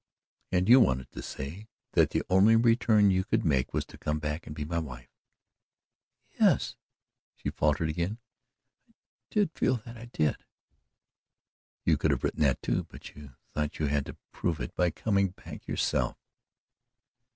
"And you wanted to say that the only return you could make was to come back and be my wife." "Yes," she faltered again, "I did feel that I did." "You could have written that, too, but you thought you had to PROVE it by coming back yourself."